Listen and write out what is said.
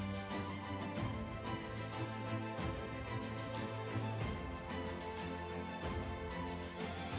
muhammad edy purnawan kami undang ke atas panggung